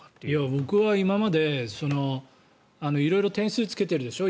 僕は今まで色々点数をつけているでしょ。